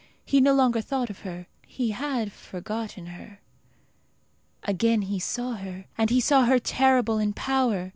He no longer thought of her. He had forgotten her.... Again he saw her, and saw her terrible in power.